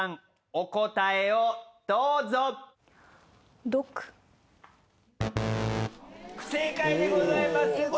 お答えをどうぞ不正解でございます続きをどうぞ